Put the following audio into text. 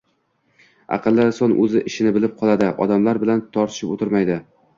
Aqlli inson o‘z ishini bilib qiladi, odamlar bilan tortishib o‘tirmaydi